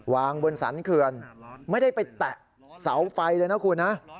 วางบนสรรเขื่อนไม่ได้ไปแตะเสาไฟเลยนะคุณนะ